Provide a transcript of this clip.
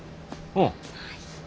うん。